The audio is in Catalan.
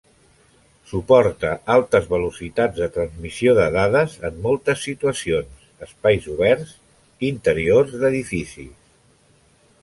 Suporta altes velocitats de transmissió de dades en moltes situacions, espais oberts, interiors d’edificis.